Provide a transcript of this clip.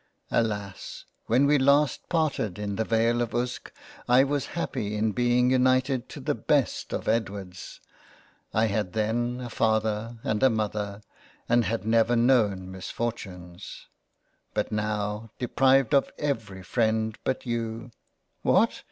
Alas ! when we last parted in the Vale of Usk, I was happy in being united to the best of Edwards ; I had then a Father and a Mother, and had never known misfortunes — But now deprived of every freind but you "" What